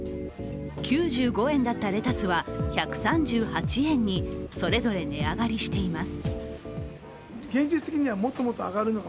９５円だったレタスは１３８円にそれぞれ値上がりしています。